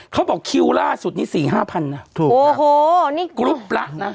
เขาบอกคิวล่าสุดนี้สี่ห้าพันนะถูกโอ้โหนี่กรุ๊ปแล้วนะ